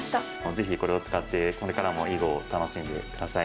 ぜひこれを使ってこれからも囲碁を楽しんで下さい。